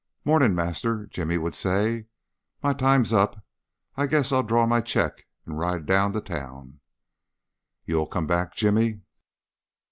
"Morning, master!" Jimmy would say. "My time's up. I guess I'll draw my cheque and ride down to town." "You'll come back, Jimmy?"